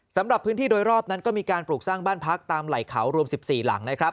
สำหรับพื้นที่โดยรอบนั้นก็มีการปลูกสร้างบ้านพักตามไหล่เขารวม๑๔หลังนะครับ